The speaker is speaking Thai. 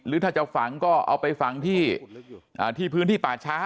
หรือถ้าจะฝั่งก็เอาไปฝั่งที่